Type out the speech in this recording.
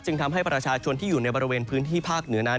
ทำให้ประชาชนที่อยู่ในบริเวณพื้นที่ภาคเหนือนั้น